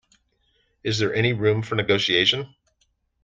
Is there any room for negotiation?